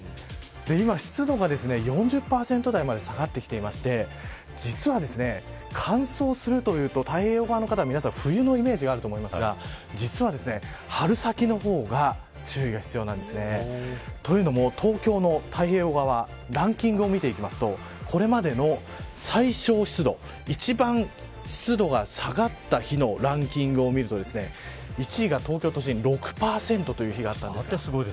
今、湿度が４０％台まで下がってきていまして実は乾燥するというと太平洋側の方は冬のイメージがあると思いますが実は春先の方が注意が必要なんですね。というのも東京の太平洋側ランキングを見ていきますとこれまでの最小湿度、一番湿度が下がった日のランキングを見ると１位が東京都心６％という日があったんです。